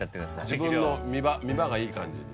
自分の見場がいい感じに。